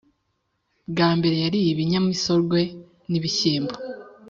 bwa mbere yariye ibinyamisogwe n'ibishyimbo